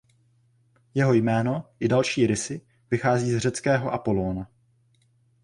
Jeho jméno i další rysy vychází z řeckého Apollóna.